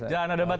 jangan ada debat